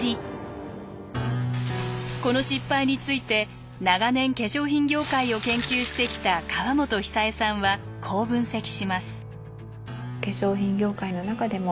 この失敗について長年化粧品業界を研究してきた川本久恵さんはこう分析します。